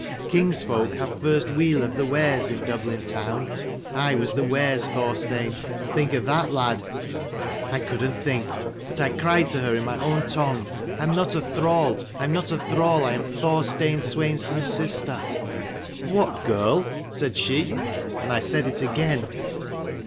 King's folk have first weel of the wares in Dublin town. I was the wares, Thorstein : think of that, lad. I couldn't think : but I cried to her in my own tongue, I am not a thrall, I am not a thrall : I am Thorstein Sweinson's sister. "' What girl? ' said she: and I said it again.